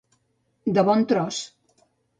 De bon tros.